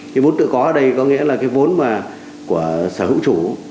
cái vốn tự có ở đây có nghĩa là cái vốn mà của sở hữu chủ